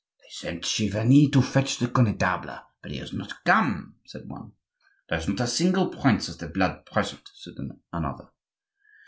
"They sent Chiverni to fetch the Connetable, but he has not come," said one. "There is not a single prince of the blood present," said another.